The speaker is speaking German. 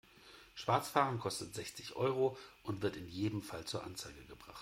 Schwarzfahren kostet sechzig Euro und wird in jedem Fall zur Anzeige gebracht.